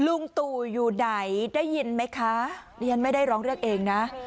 ลุงตู่อยู่ไหนได้ยินไหมคะดิฉันไม่ได้ร้องเรียกเองนะ